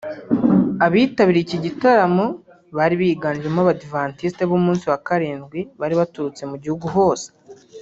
Abitabiriye iki gitaramo bari biganjemo Abadiventisiti b’Umunsi wa karindwi bari baturutse mu gihugu hose